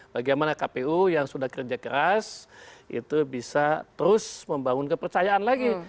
bagaimana kpu yang sudah kerja keras itu bisa terus membangun kepercayaan lagi